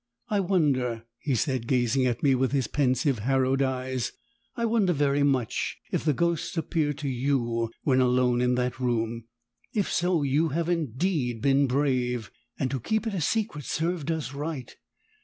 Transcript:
"I wonder," he said, gazing at me with his pensive harrowed eyes, "I wonder very much if the ghosts appeared to you when alone in that room? If so you have indeed been brave, and to keep it secret served us right.